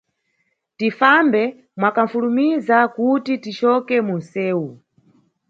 Tifambe mwakufulumiza kuti ticoke munʼsewu.